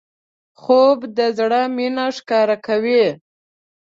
خوب د زړه مینه ښکاره کوي